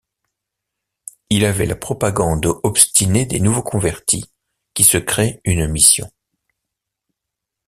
Il avait la propagande obstinée des nouveaux convertis, qui se créent une mission.